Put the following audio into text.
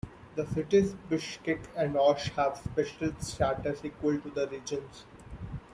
The cities Bishkek and Osh have special status equal to the regions.